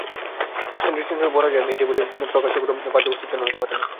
দৃষ্টান্তস্বরূপ বলা যায়, এই টেবিলটির প্রকাশ কোন বাহ্যবস্তুর জন্য হইতে পারে না।